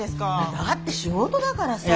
だって仕事だからさあ。